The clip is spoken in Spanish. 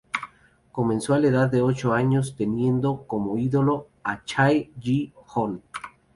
Comenzó a la edad de ocho años teniendo como ídolo a Chae Ji-hoon.